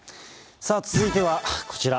さあ、続いてはこちら。